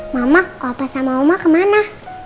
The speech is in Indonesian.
mama opa sama oma kemana